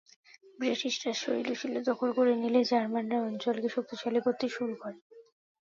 ব্রিটিশরা শৈলশিরা দখল করে নিলে জার্মানরা অঞ্চলটিকে শক্তিশালী করতে শুরু করে।